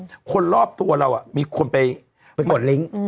เพราะคนรอบตัวเรามีคนไปกดลิงก์